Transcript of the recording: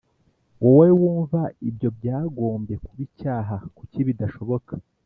wowe wumva ibyo byagombye kuba icyaha Kuki bidashoboka